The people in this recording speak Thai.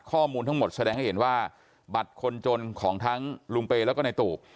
ข้อมูลทั้งหมดแสดงให้เห็นว่าบัตรคนจนของทั้งลุงเปย์แล้วก็ในตู่